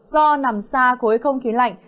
do nằm xa khối không khí lạnh